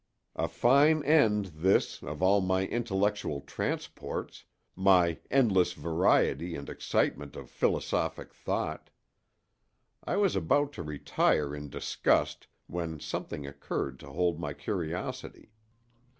A fine end, this, of all my intellectual transports—my "endless variety and excitement of philosophic thought!" I was about to retire in disgust when something occurred to hold my curiosity.